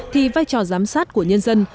thì vai trò giám sát của nhân dân